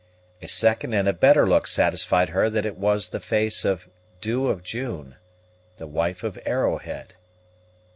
A second and a better look satisfied her that it was the face of the Dew of June, the wife of Arrowhead.